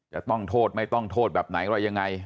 จะต้องโทษไม่ต้องโทษแบบไหนอะไรยังไง